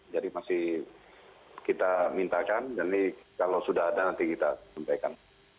jadi masih kita mintakan dan ini kalau sudah ada nanti kita sampaikan